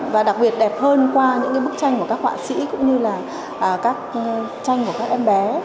và đặc biệt đẹp hơn qua những bức tranh của các họa sĩ cũng như là các tranh của các em bé